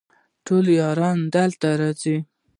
ټول یاران دلته راځي